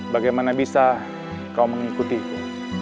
bagaimana bisa kau mengikuti aku